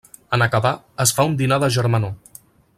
En acabar, es fa un dinar de germanor.